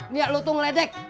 niat lu tuh ngeredek